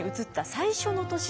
最初の年？